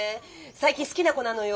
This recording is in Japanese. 最近好きな子なのよ。